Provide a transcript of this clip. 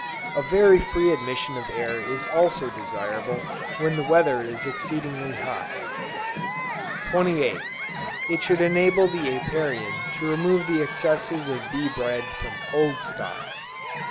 A very free admission of air is also desirable when the weather is exceedingly hot. 28. It should enable the Apiarian to remove the excess of bee bread from old stocks.